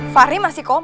fahri masih koma